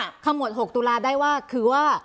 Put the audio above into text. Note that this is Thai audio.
อันนี้คือขมวดหกตุลาได้ว่าคือว่า